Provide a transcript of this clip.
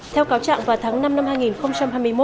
theo cáo trạng vào tháng năm năm hai nghìn hai mươi một